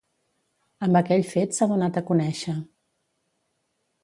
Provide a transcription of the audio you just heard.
Amb aquell fet s'ha donat a conèixer.